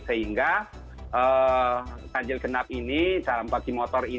sehingga ganjil genap ini dalam bagi motor ini